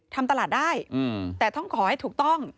ทำตลาดได้แต่ต้องขอให้ถูกต้อง